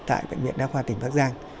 tại bệnh viện đa khoa tỉnh bắc giang